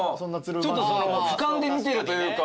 ちょっと俯瞰で見てるというか。